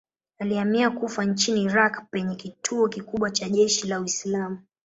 Alihamia Kufa nchini Irak penye kituo kikubwa cha jeshi la Uislamu.